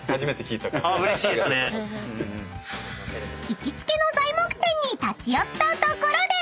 ［行きつけの材木店に立ち寄ったところで］